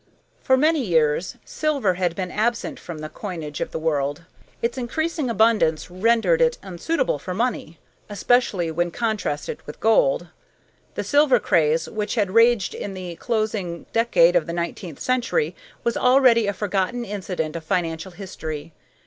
For many years silver had been absent from the coinage of the world. Its increasing abundance rendered it unsuitable for money, especially when contrasted with gold. The "silver craze," which had raged in the closing decade of the nineteenth century, was already a forgotten incident of financial history.